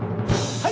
はい。